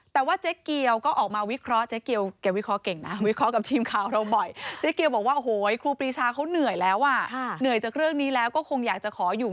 แต่ว่าเจ๊เกียวก็ออกมาวิเคราะห์